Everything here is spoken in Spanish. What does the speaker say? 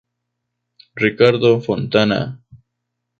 Riccardo Fontana.